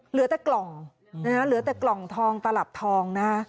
เหลือแต่กล่องนะฮะเหลือแต่กล่องทองตลับทองนะฮะ